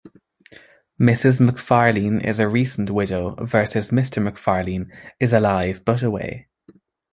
Mrs. McFarlane is a recent widow, versus Mr. McFarlane is alive but away.